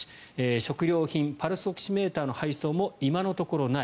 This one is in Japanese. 食料品パルスオキシメーターの配送も今のところない。